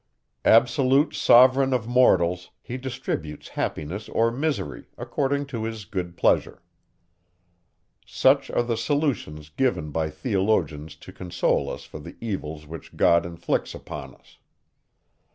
Absolute sovereign of mortals, he distributes happiness or misery, according to his good pleasure." Such are the solutions given by theologians to console us for the evils which God inflicts upon us.